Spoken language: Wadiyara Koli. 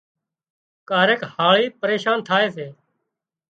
ڪاريڪ هاۯِي پريشان ٿائي سي